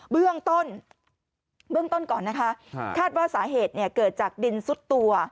เบื้องต้นเบื้องต้นก่อนนะคะคาดว่าสาเหตุเกิดจากดินซุดตัว